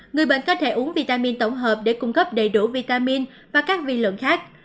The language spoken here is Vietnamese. người bệnh có thể uống vitamin tổng hợp để cung cấp đầy đủ vitamin và các vi lượng khác